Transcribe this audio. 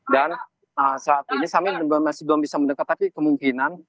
dan saat ini masih belum bisa mendekat tapi kemungkinan